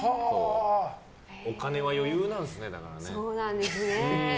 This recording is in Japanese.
お金は余裕なんですね。